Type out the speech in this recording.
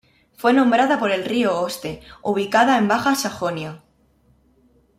Fue nombrada por el río Oste, ubicado en Baja Sajonia.